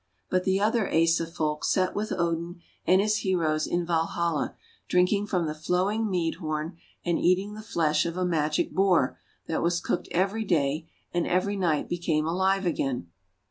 But the other Asa Folk sat with Odin and his heroes in Valhalla, drinking from the flowing mead horn, and eating the flesh of a Magic Boar that was cooked every day, and every night be came alive again.